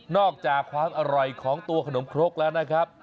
อกจากความอร่อยของตัวขนมครกแล้วนะครับ